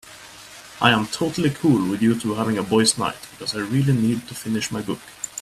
I am totally cool with you two having a boys' night because I really need to finish my book.